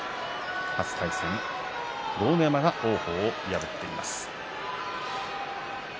初対戦、豪ノ山が王鵬を破っています。